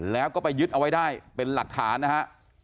แล้วก็ไปยึดเอาไว้ได้เป็นหลักฐานนะฮะ